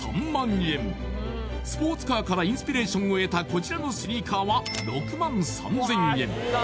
３万円スポーツカーからインスピレーションを得たこちらのスニーカーは６万３千円